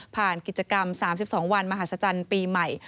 กิจกรรม๓๒วันมหาศจรรย์ปีใหม่